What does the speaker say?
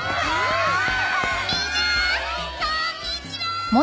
みんなこんにちは！